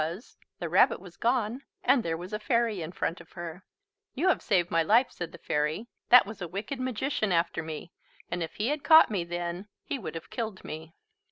[Illustration: The rabbit was gone, and there was a fairy in front of her] "You have saved my life," said the fairy. "That was a wicked magician after me, and if he had caught me then, he would have killed me."